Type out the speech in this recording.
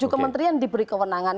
tujuh kementerian diberi kewenangan